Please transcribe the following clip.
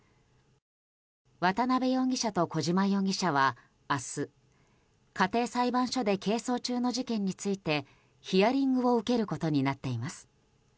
渡邉容疑者と小島容疑者は明日、家庭裁判所で係争中の事件についてヒアリングを受けることになっています。